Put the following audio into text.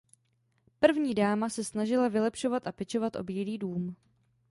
První dáma se snažila vylepšovat a pečovat o Bílý dům.